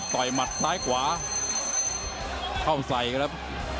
ต่อยมัดซ้ายกว่าเข้าใส่ครับ